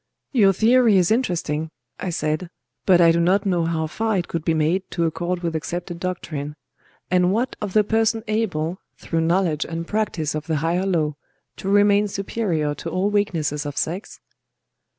"Your theory is interesting," I said;—"but I do not know how far it could be made to accord with accepted doctrine…. And what of the person able, through knowledge and practice of the higher law, to remain superior to all weaknesses of sex?"